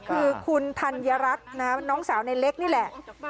คือคุณธัญรัฐนะน้องสาวในเล็กนี่แหละ